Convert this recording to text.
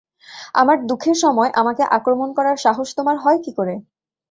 আমার দুঃখের সময় আমাকে আক্রমণ করার সাহস তোমার হয় কী করে!